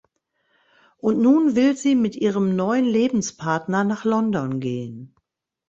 Und nun will sie mit ihrem neuen Lebenspartner nach London gehen.